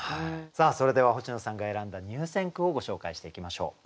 さあそれでは星野さんが選んだ入選句をご紹介していきましょう。